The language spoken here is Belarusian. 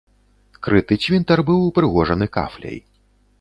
Крыты цвінтар быў упрыгожаны кафляй.